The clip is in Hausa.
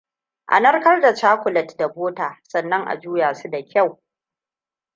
A narkar da cakulet da bota sannan a juya su da kyau.